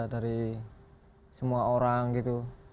dari semua orang gitu